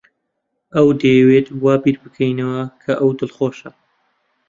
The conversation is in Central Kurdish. ئەو دەیەوێت وا بیر بکەینەوە کە ئەو دڵخۆشە.